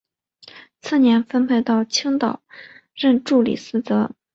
次年分配到青岛任助理司铎。